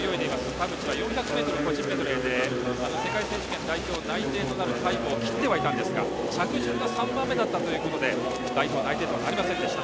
田渕は４００ｍ個人メドレーで世界選手権代表内定となるタイムを切ってはいたんですが着順が３番目でしたので代表内定とはなりませんでした。